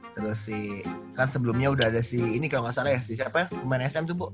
terus kan sebelumnya udah ada si ini kalau gak salah ya si siapa pemain sm tuh bu